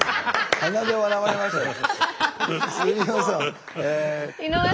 鼻で笑われましたよ。